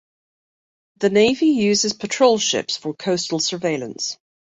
The Navy uses patrol ships for coastal surveillance.